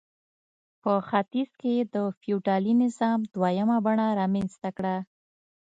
په ختیځ کې یې د فیوډالي نظام دویمه بڼه رامنځته کړه.